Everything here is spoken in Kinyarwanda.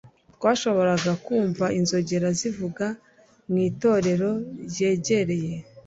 Twashoboraga kumva inzogera zivuga mu itorero ryegereye